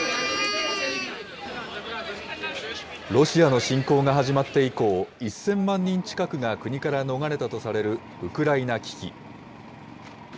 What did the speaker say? ロシアの侵攻が始まって以降、１０００万人近くが国から逃れたとされるウクライナ危機。